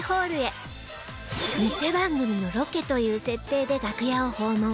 ニセ番組のロケという設定で楽屋を訪問